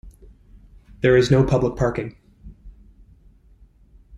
There is no public parking.